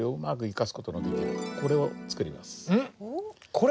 これ？